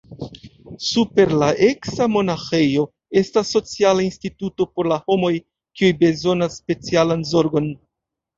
Super la eksa monaĥejo estas sociala instituto por la homoj, kiuj bezonas specialan zorgon.